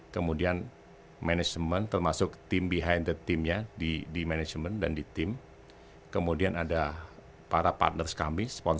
semua orang mempunyai kepentingan